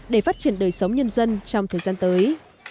để phát triển đời sống nhân dân trong thời gian tới